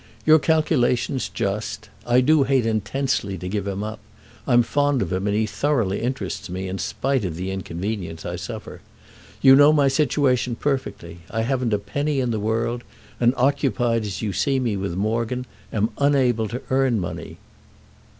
Your calculation's just—I do hate intensely to give him up; I'm fond of him and he thoroughly interests me, in spite of the inconvenience I suffer. You know my situation perfectly. I haven't a penny in the world and, occupied as you see me with Morgan, am unable to earn money."